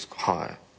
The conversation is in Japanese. はい。